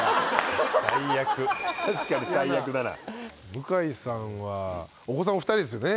向井さんはお子さんお二人ですよね。